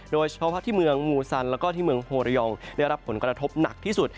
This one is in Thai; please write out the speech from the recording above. โดยเฉพาะที่เมืองมูซันแล้วก็ที่เมืองโฮระยองได้รับผลกระทบหนักที่สุด